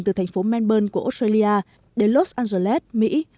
từ thành phố melburne của australia đến los angeles mỹ